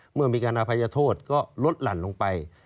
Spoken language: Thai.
เมื่อมีการอภัยโทษก็ลดหลั่นลงไป